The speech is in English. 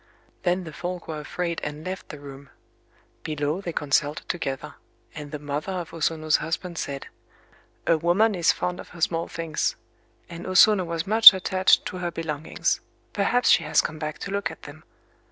Then the folk were afraid, and left the room. Below they consulted together; and the mother of O Sono's husband said: "A woman is fond of her small things; and O Sono was much attached to her belongings. Perhaps she has come back to look at them.